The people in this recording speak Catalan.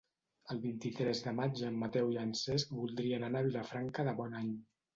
El vint-i-tres de maig en Mateu i en Cesc voldrien anar a Vilafranca de Bonany.